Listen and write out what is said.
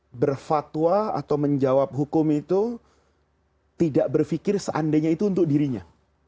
karena dia berfatwa atau menjawab hukum itu tidak berpikir seandainya itu untuk dirinya